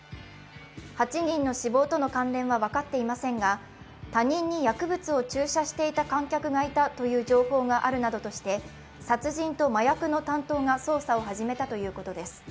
８人の死亡との関連は分かっていませんが、他人に薬物を注射していた観客がいたという情報があるなどとして、殺人と麻薬の担当が捜査を始めたということです。